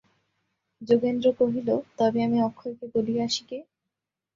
যোগেন্দ্র কহিল, তবে আমি অক্ষয়কে বলিয়া আসি গে?